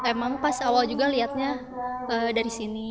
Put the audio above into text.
emang pas awal juga lihatnya dari sini